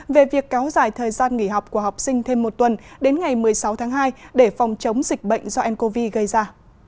về việc kéo dài thời gian nghỉ học của học sinh thêm một tuần đến ngày một mươi sáu tháng hai để phòng chống dịch bệnh do ncov gây ra